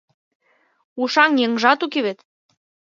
Ушан еҥжат уке вет!